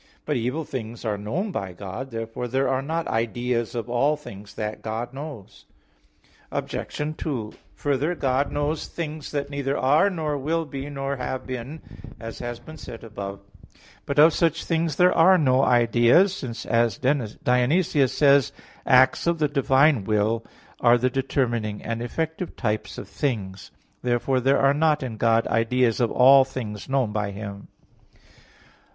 But evil things are known by God. Therefore there are not ideas of all things that God knows. Obj. 2: Further, God knows things that neither are, nor will be, nor have been, as has been said above (A. 9). But of such things there are no ideas, since, as Dionysius says (Div. Nom. v): "Acts of the divine will are the determining and effective types of things." Therefore there are not in God ideas of all things known by Him.